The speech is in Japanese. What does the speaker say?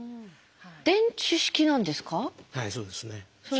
電池式なんですか？